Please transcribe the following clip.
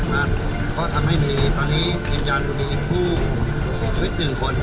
นะฮะก็ทำให้มีตอนนี้จริงจันทร์ดูมีผู้สี่ชาวิทย์หนึ่งคน